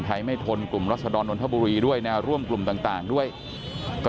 ไม่ทนกลุ่มรัศดรนนทบุรีด้วยแนวร่วมกลุ่มต่างด้วยก็